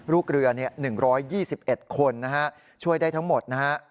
ลูกเรือ๑๒๑คนนะฮะช่วยได้ทั้งหมดนะฮะ